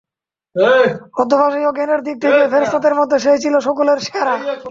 অধ্যবসায় ও জ্ঞানের দিক থেকে ফেরেশতাদের মধ্যে সেই ছিল সকলের সেরা।